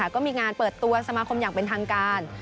ก็มีงานเปิดตัวสมาคมอย่างเป็นทางการ